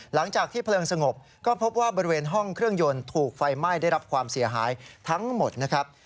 หลังจากที่เพลิงสงบก็พบว่าบริเวณห้องเครื่องยนต์ถูกไฟไหม้ได้รับความเสียหายทั้งหมดนะครับ